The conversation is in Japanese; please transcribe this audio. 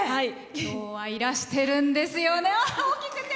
今日はいらしてるんですよね。